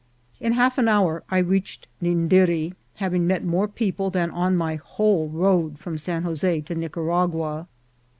In half an hour I reached Nindiri, having met more people than on my whole road from San Jose to Nicaragua.